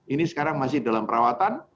ini sekarang masih dalam perawatan